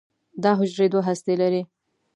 دا حجرې دوه هستې لري.